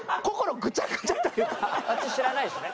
あっち知らないしね。